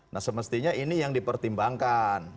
nah semestinya ini yang dipertimbangkan